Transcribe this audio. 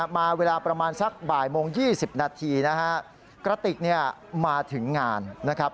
มาเวลาประมาณสักบ่ายโมง๒๐นาทีนะฮะกระติกเนี่ยมาถึงงานนะครับ